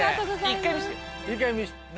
一回見せて。